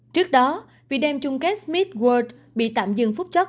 trước đó vì đêm chung kết smith world bị tạm dừng phút chót